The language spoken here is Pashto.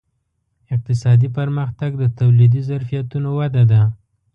اقتصادي پرمختګ د تولیدي ظرفیتونو وده ده.